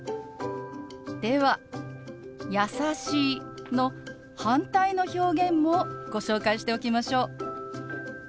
では「優しい」の反対の表現もご紹介しておきましょう。